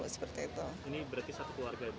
ini berarti satu keluarga ibu